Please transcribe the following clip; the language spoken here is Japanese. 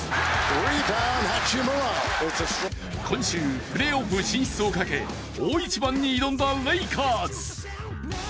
今週、プレーオフ進出をかけ大一番に挑んだレイカーズ。